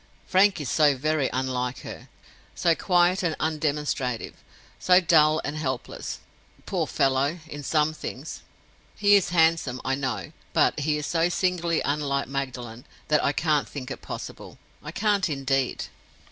Frank is so very unlike her; so quiet and undemonstrative; so dull and helpless, poor fellow, in some things. He is handsome, I know, but he is so singularly unlike Magdalen, that I can't think it possible—I can't indeed."